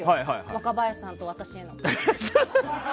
若林さんと私への。